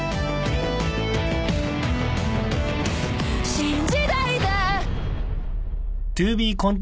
「新時代だ」